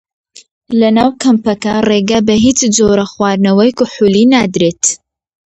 لە ناو کەمپەکە ڕێگە بە هیچ جۆرە خواردنەوەی کحوولی نادرێت.